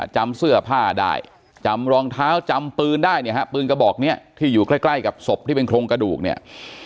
จำเสื้อผ้าได้จำรองเท้าจำปืนได้เนี่ยฮะปืนกระบอกเนี้ยที่อยู่ใกล้ใกล้กับศพที่เป็นโครงกระดูกเนี่ย